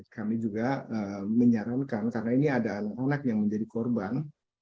kami juga menyarankan karena ini ada anak anak yang menjadi korban